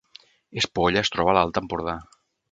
Espolla es troba a l’Alt Empordà